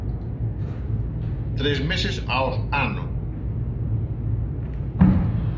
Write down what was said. Tres meses aos ano.